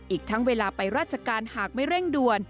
อีกทั้งเวลาไปราชการหากไม่เร่งด่วน